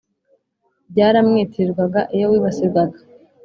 Byara mwitirirwaga. Iyo wibasirwaga